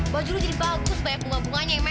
baju lo jadi bagus banyak bunga bunganya yang merah